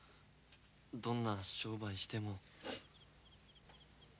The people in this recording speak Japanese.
どんな商売しても。